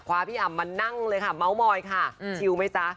พี่อำมานั่งเลยค่ะเมาส์มอยค่ะชิลไหมจ๊ะ